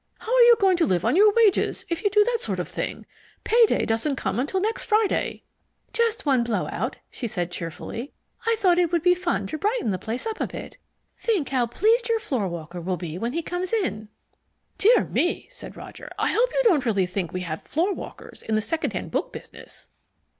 "How are you going to live on your wages if you do that sort of thing? Pay day doesn't come until next Friday!" "Just one blow out," she said cheerfully. "I thought it would be fun to brighten the place up a bit. Think how pleased your floorwalker will be when he comes in!" "Dear me," said Roger. "I hope you don't really think we have floorwalkers in the second hand book business."